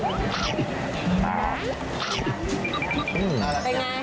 เป็นไง